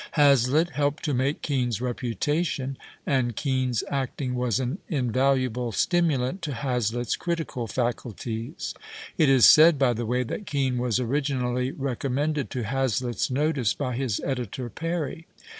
Hazlitt helped to make Kcan's reputation and Kean's acting was an invaluable stimulant to Ila/litt's critical faculties. It is said, by the way, that Kean was originally recommended to Hazlitts notice by his editor. Perry.